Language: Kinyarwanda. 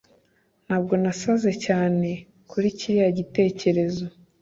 ntabwo nasaze cyane kuri kiriya gitekerezo